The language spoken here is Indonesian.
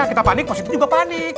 kita panik positif juga panik